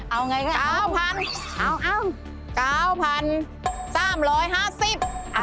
เอาอย่างไรก็อย่า๙๐๐๐